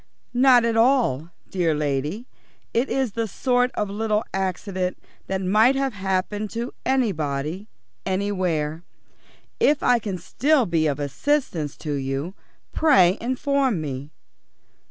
"Not at all, dear lady. It is the sort of little accident that might have happened to anybody, anywhere. If I can still be of assistance to you, pray inform me.